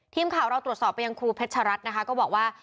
ทีมข่าวเราตรวจสอบไปยังครูเพชรรัฐนะคะก็บอกว่า